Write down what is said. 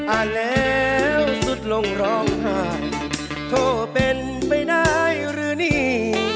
อ่านแล้วสุดลงร้องไห้โทษเป็นไปได้หรือนี่